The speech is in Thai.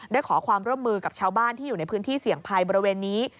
ขอความร่วมมือกับชาวบ้านที่อยู่ในพื้นที่เสี่ยงภัยบริเวณนี้